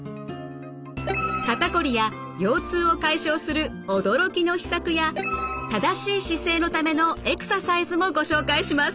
肩こりや腰痛を解消する驚きの秘策や正しい姿勢のためのエクササイズもご紹介します。